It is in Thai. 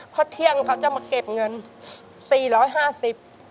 เพราะเที่ยงเขาจะมาเก็บเงิน๔๕๐บาท